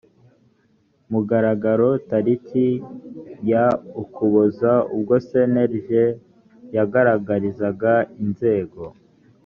mugaragaro tariki ya ukuboza ubwo cnlg yagaragarizaga inzego